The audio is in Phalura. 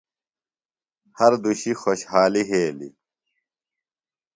ہر دُشی خوۡشحالیۡ یھیلیۡ۔